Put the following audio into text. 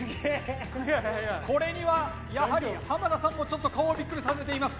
これにはやはり濱田さんもちょっと顔をビックリさせています。